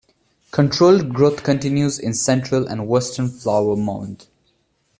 Controlled growth continues in central and western Flower Mound.